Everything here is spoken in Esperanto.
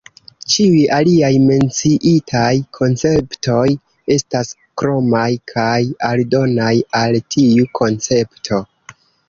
Ĉiuj aliaj menciitaj konceptoj estas kromaj kaj aldonaj al tiu koncepto.